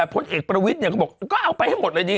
พลเอกประวิทย์เนี่ยเขาบอกก็เอาไปให้หมดเลยดิ